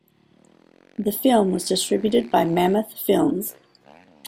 The film was distributed by Mammoth Films.